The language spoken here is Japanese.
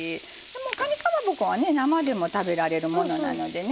かにかまぼこは生でも食べられるものなのでね